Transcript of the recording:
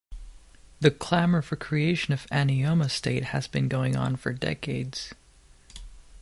The clamour for creation of Anioma state has been going on for decades.